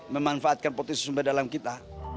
memanfaatkan potensi sumber daya alam kita